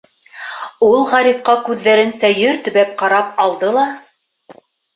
Ул Ғарифҡа күҙҙәрен сәйер төбәп ҡарап алды ла: